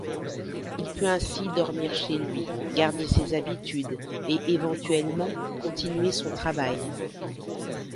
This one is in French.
Il peut ainsi dormir chez lui, garder ses habitudes et éventuellement continuer son travail.